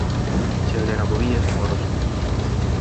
See oli nagu viies noorus.